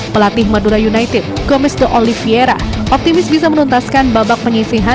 pelatih madura united gomez de oliveira optimis bisa menuntaskan babak pengisihan